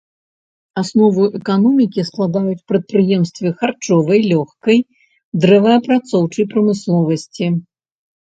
Аснову эканомікі складаюць прадпрыемствы харчовай, лёгкай, дрэваапрацоўчай прамысловасці.